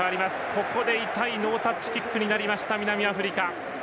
ここでノータッチラインアウトになりました、南アフリカ。